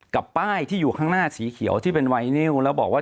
กับป้ายที่อยู่ข้างหน้าสีเขียวที่เป็นไวนิวแล้วบอกว่า